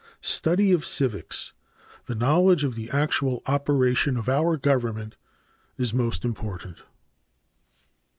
Study of civics, the knowledge of the actual operation of our government is most important."